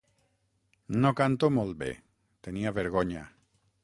No canto molt bé, tenia vergonya.